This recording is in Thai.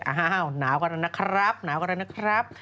อ้าวหนาวกันแล้วนะครับ